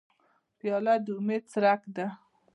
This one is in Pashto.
پیاله د امید څرک ده.